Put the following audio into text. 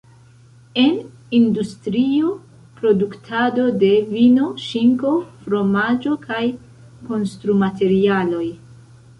En industrio, produktado de vino, ŝinko, fromaĝo, kaj konstrumaterialoj.